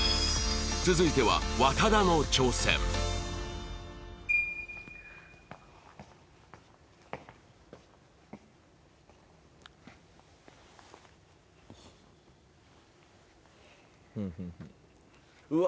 続いては和多田の挑戦うわ